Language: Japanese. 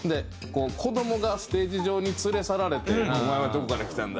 子どもがステージ上に連れ去られて「お前はどこから来たんだ？」